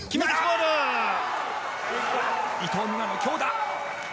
伊藤美誠の強打！